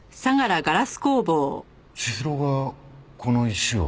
千尋がこの石を？